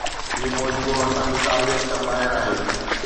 هي معجزو اسان جي قابليت کان ٻاهر آهي.